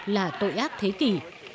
là tội ác thế kỷ